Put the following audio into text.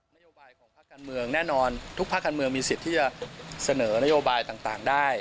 นโยบายของภาคการเมืองแน่นอนทุกภาคการเมืองมีสิทธิ์ที่จะเสนอนโยบายต่างได้